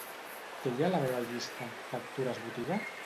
Què hi ha a la meva llista "factures botiga"?